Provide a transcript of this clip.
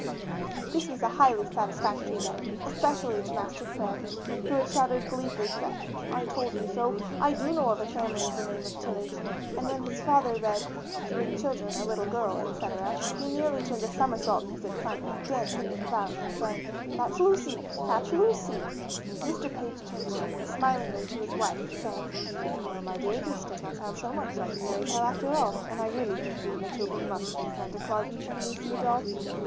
This was a highly satisfactory letter, especially to Master Fred who had shouted gleefully to Beth, "I told you so!" "I do know a family of the name of Tillage," and when his father read "three children, a little girl, etc.," he nearly turned a somersault in his excitement, dancing about and saying, "that's Lucy! that's Lucy!" Mr. Page turned smilingly to his wife, saying, "Well, my dear, this does not sound so much like a fairy tale after all, and I really think you and the children must play Santa Claus and send Lucy a doll."